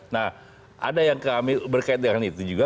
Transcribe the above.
nah ada yang kami berkait dengan itu juga